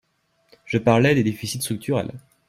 Je parlais des déficits structurels